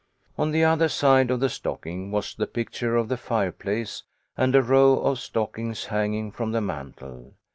On the other side of the stocking was the picture of the fireplace and a row of stockings hanging from the mantel.